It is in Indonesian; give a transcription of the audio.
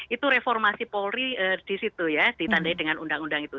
itu reformasi polri di situ ya ditandai dengan undang undang itu